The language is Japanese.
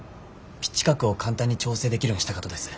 ピッチ角を簡単に調整できるようにしたかとです。